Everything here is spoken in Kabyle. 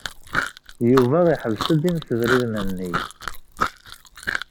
Yuba yeḥbes-d imsebriden-nni.